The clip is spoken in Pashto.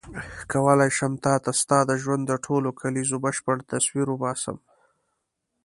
کولای شم تا ته ستا د ژوند د ټولو کلیزو بشپړ تصویر وباسم.